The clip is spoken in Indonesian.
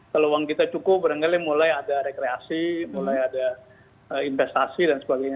kalau uang kita cukup beranggalai mulai ada rekreasi mulai ada investasi dan sebagainya